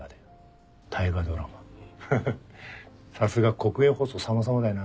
さすが国営放送さまさまだよな。